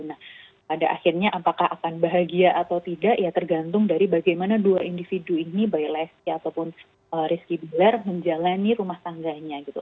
nah pada akhirnya apakah akan bahagia atau tidak ya tergantung dari bagaimana dua individu ini by lesti ataupun rizky bilar menjalani rumah tangganya gitu